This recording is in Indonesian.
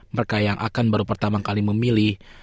mereka yang akan baru pertama kali memilih